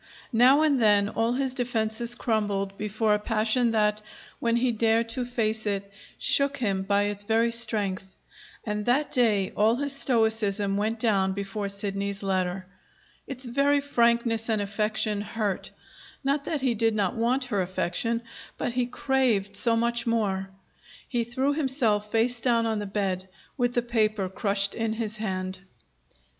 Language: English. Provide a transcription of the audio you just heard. Now and then all his defenses crumbled before a passion that, when he dared to face it, shook him by its very strength. And that day all his stoicism went down before Sidney's letter. Its very frankness and affection hurt not that he did not want her affection; but he craved so much more. He threw himself face down on the bed, with the paper crushed in his hand.